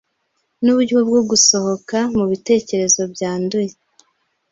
Nuburyo bwo gusohoka mubitekerezo byanduye